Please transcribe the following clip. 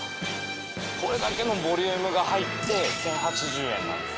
これだけのボリュームが入って１，０８０円なんです。